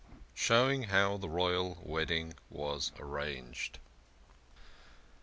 SHOWING HOW THE ROYAL WEDDING WAS ARRANGED.